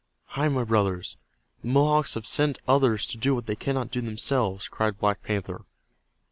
"Hi, my brothers, the Mohawks have sent others to do what they cannot do themselves!" cried Black Panther.